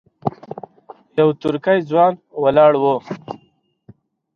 یو ترکی ځوان ولاړ و.